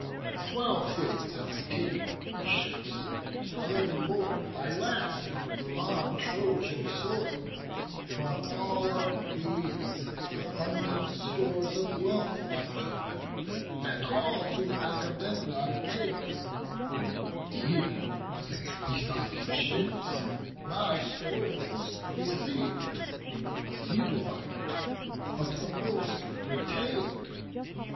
Twelve cities have I taken with my ships; Eleven more by land, on Trojan soil: From all of these abundant stores of wealth I took, and all to Agamemnon gave; He, safe beside his ships, my spoils receiv'd, A few divided, but the most retain'd.